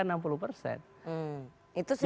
itu survei pks ya